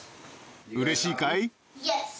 うれしいかい？